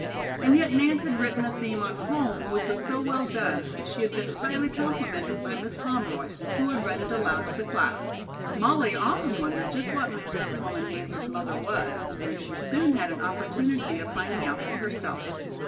And yet Nance had written a theme on "Home," which was so well done that she had been highly complimented by Miss Pomeroy, who had read it aloud to the class. Molly often wondered just what manner of woman Nance's mother was, and she soon had an opportunity of finding out for herself.